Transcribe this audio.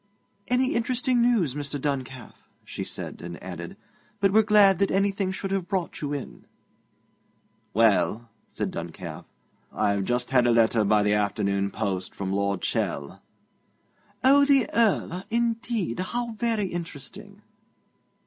'Any interesting news, Mr. Duncalf?' she said, and added: 'But we're glad that anything should have brought you in.' 'Well,' said Duncalf, 'I've just had a letter by the afternoon post from Lord Chell.' 'Oh, the Earl! Indeed; how very interesting.'